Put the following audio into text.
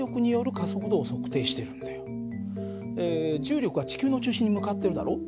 重力は地球の中心に向かってるだろう？